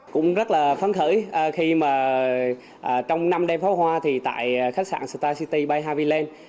cũng rất là phán khởi khi mà trong năm đêm pháo hoa thì tại khách sạn star city by haviland